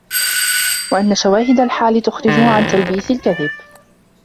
وَأَنَّ شَوَاهِدَ الْحَالِ تُخْرِجُهُ عَنْ تَلْبِيسِ الْكَذِبِ